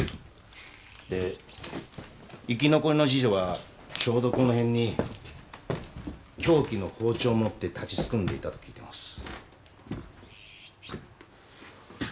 で生き残りの次女はちょうどこの辺に凶器の包丁を持って立ちすくんでいたと聞いてます。